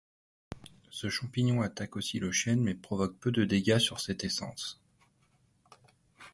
Ce champignon attaque aussi le chêne, mais provoque peu de dégâts sur cette essence.